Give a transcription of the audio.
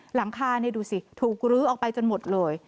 หลังคานี่ดูสิถูกลื้อออกไปจนหมดเลย